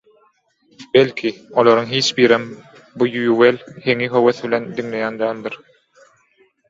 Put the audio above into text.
Belki, olaryň hiç birem bu ýüwel heňi höwes bilen diňleýän däldir